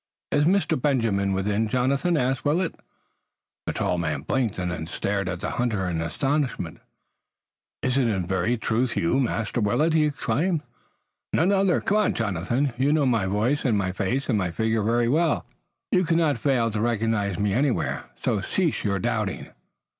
"Is Master Benjamin within, Jonathan?" asked Willet. The tall man blinked and then stared at the hunter in astonishment. "Is it in very truth you, Master Willet?" he exclaimed. "None other. Come, Jonathan, you know my voice and my face and my figure very well. You could not fail to recognize me anywhere. So cease your doubting.